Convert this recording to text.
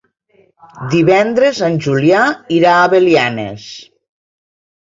Divendres en Julià irà a Belianes.